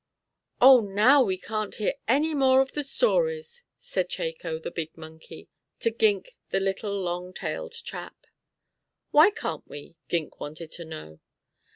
"Oh, now we can't hear any more of the story," said Chako, the big monkey, to Gink the little, long tailed chap. "Why can't we?" Gink wanted to know.